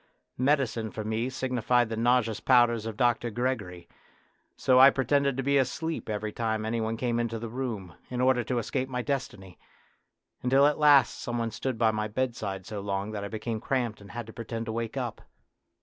Medicine for me signified the nauseous powders of Dr. Gregory, so I pretended to be asleep every time any one came into the room, in order to escape my destiny, until at last some one stood by my bedside so long that I became cramped and had to pretend to wake up.